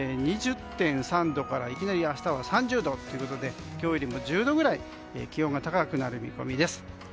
２０．３度からいきなり明日は３０度ということで今日よりも１０度くらい気温が高くなる見込みです。